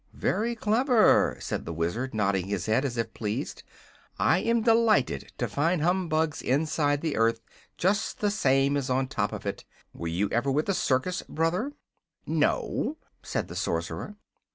"Very clever," said the Wizard, nodding his head as if pleased. "I am delighted to find humbugs inside the earth, just the same as on top of it. Were you ever with a circus, brother?" "No," said the Sorcerer.